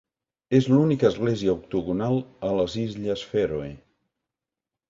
És l'única església octogonal a les Illes Fèroe.